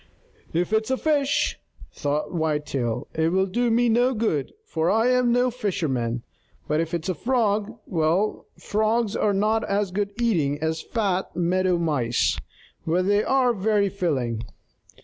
"If it's a fish," thought Whitetail, "it will do me no good, for I am no fisherman. But if it's a Frog well, Frogs are not as good eating as fat Meadow Mice, but they are very filling."